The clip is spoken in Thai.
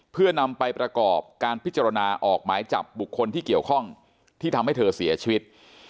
เพื่อนำไปประกอบการพิจารณาออกหมายจับบุคคลที่เกี่ยวข้องที่ทำให้เธอเสียชีวิต